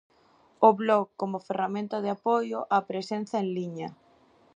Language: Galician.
O blog como ferramenta de apoio á presenza en liña.